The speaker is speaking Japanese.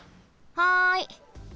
はい。